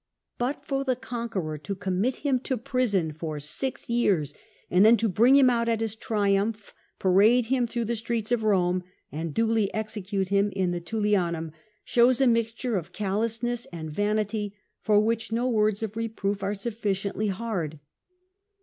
But for the conqueror to commit him to prison for sim years, and then to bring him out at his triumph, parade him through the streets of Home, and duly execute him in the Tullianum, shows a mixture o£ callousness and vanity for which no words of reprooC are sufliciently hard.